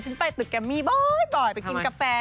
ไปตึกแกมมี่บ่อยไปกินกาแฟ